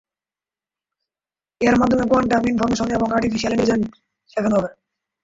এর মাধ্যমে quantum information এবং আর্টিফিশিয়াল ইন্টেলিজেন্স শেখানো হবে।